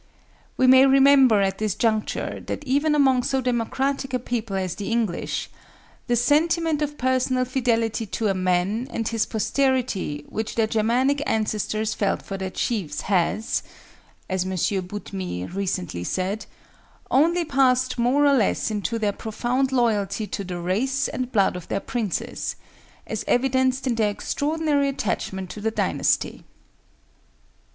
We may remember at this juncture that even among so democratic a people as the English, "the sentiment of personal fidelity to a man and his posterity which their Germanic ancestors felt for their chiefs, has," as Monsieur Boutmy recently said, "only passed more or less into their profound loyalty to the race and blood of their princes, as evidenced in their extraordinary attachment to the dynasty."